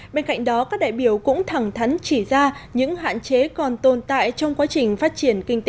bên cạnh đó các đại biểu cũng thẳng thắn chỉ ra những hạn chế còn tồn tại trong quá trình phát triển kinh tế